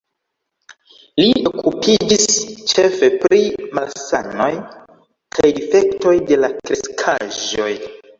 Li okupiĝis ĉefe pri malsanoj kaj difektoj de la kreskaĵoj.